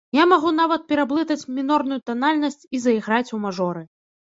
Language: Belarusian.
Я магу нават пераблытаць мінорную танальнасць і заіграць у мажоры.